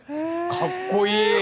かっこいい！